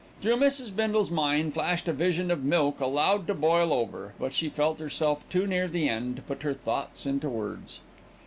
Through Mrs. Bindle's mind flashed a vision of milk allowed to boil over; but she felt herself too near the End to put her thoughts into words.